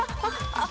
あっ。